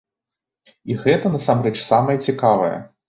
І гэта насамрэч самае цікавае!